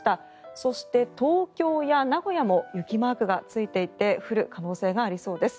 そして、東京や名古屋も雪マークがついていて降る可能性がありそうです。